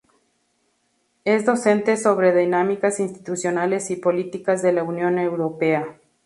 Es docente sobre dinámicas institucionales y políticas de la Unión Europea.